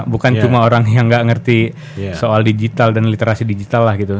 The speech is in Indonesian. bukan cuma orang yang nggak ngerti soal digital dan literasi digital lah gitu